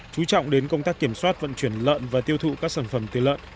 chú trọng đến công tác kiểm soát vận chuyển lợn và tiêu thụ các sản phẩm tiêu lợn